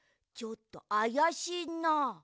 ちょっとあやしいなあ。